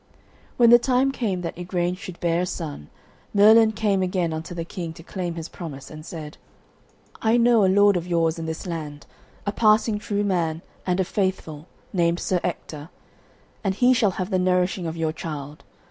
When the time came that Igraine should bear a son, Merlin came again unto the King to claim his promise, and he said: "I know a lord of yours in this land, a passing true man and a faithful, named Sir Ector, and he shall have the nourishing of your child.